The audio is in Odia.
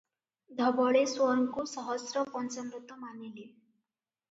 ଧବଳେଶ୍ଵରଙ୍କୁ ସହସ୍ର ପଞ୍ଚାମୃତ ମାନିଲେ ।